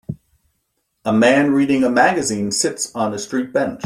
A man reading a magazine sits on a street bench.